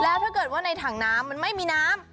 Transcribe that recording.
แล้วถ้าเกิดว่าในถังน้ำมันไม่มีน้ำ